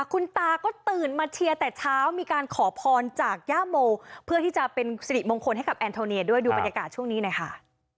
คุณตาก็ตื่นมาเชียร์แต่เช้ามีการขอพรจากย่าโมเพื่อที่จะเป็นสิริมงคลให้กับแอนโทเนียด้วยดูบรรยากาศช่วงนี้หน่อยค่ะ